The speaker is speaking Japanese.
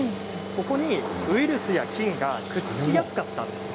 ここにウイルスや菌がくっつきやすかったんです。